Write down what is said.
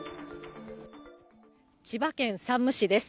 千葉県山武市です。